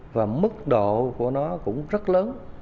và mức độ của nó cũng rất lớn